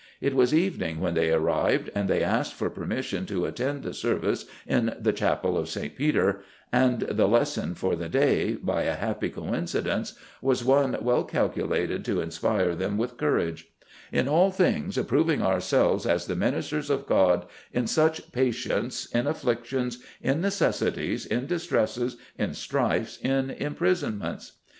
It was evening when they arrived, and they asked for permission to attend the service in the chapel [of St. Peter]; and the Lesson for the day, by a happy coincidence, was one well calculated to inspire them with courage: 'In all things approving ourselves as the ministers of God, in much patience, in afflictions, in necessities, in distresses, in strifes, in imprisonments.